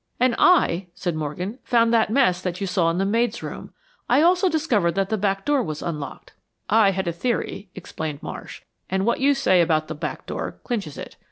"And I," said Morgan, "found the mess that you saw in the maid's room. I also discovered that the back door was unlocked." "I had a theory," explained, Marsh, "and what you say about the back door clinches it.